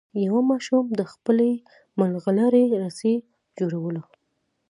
یوه ماشوم د خپلې ملغلرې رسۍ جوړوله.